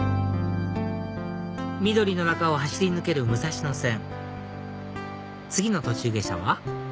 緑の中を走り抜ける武蔵野線次の途中下車は？